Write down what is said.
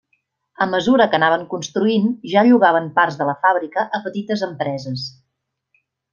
A mesura que anaven construint ja llogaven parts de la fàbrica a petites empreses.